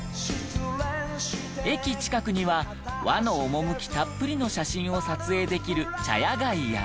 駅近くには和の趣たっぷりの写真を撮影できる茶屋街や。